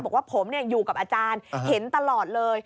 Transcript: บอกว่าผมอยู่กับอาจารย์เห็นตลอดเลย